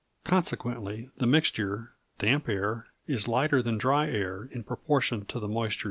Consequently the mixture damp air is lighter than dry air, in proportion to the moisture it contains.